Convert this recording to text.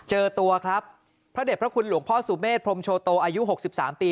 เจอตัวครับพระเด็จพระคุณหลวงพ่อสุเมษพรมโชโตอายุ๖๓ปี